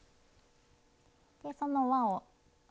でその輪を。